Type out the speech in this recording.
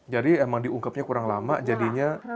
jadi memang diungkapnya kurang lama jadinya